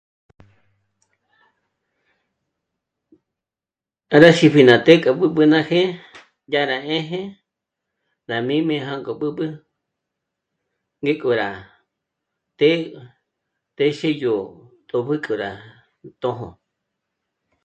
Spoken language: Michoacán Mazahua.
K'a ná xípji ná té k'a b'ǚb'ü ná jé'e dyà rá 'ḗjē rá jmī́'m'ī́ jângo b'ǚb'ü ngéko rá té... téxe yó tòpjü k'ü rá tṓjṓ